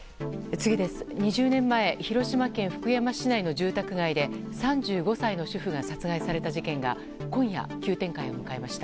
次です、２０年前広島県福山市内の住宅街で３５歳の主婦が殺害された事件が今夜、急展開となりました。